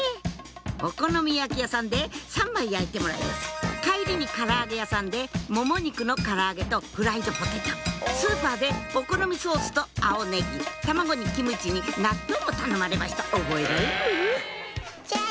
お好み焼き屋さんで３枚焼いてもらいます帰りにから揚げ屋さんでもも肉のから揚げとフライドポテトスーパーでお好みソースと青ネギ卵にキムチに納豆も頼まれました覚えられる？